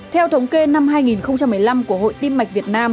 theo thống kê năm hai nghìn một mươi năm của hội tim mạch